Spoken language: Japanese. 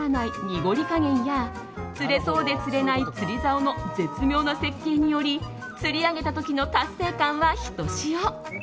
濁り加減や釣れそうで釣れない釣りざおの絶妙な設計により釣り上げた時の達成感はひとしお。